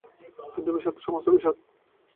কিন্তু বিস্বাদ, সমস্ত বিস্বাদ!